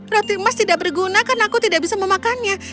roti emas tidak berguna karena aku tidak bisa memakannya